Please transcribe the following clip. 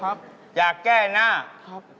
ถ้าเป็นปากถ้าเป็นปาก